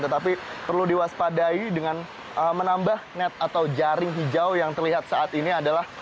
tetapi perlu diwaspadai dengan menambah net atau jaring hijau yang terlihat saat ini adalah